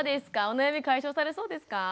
お悩み解消されそうですか？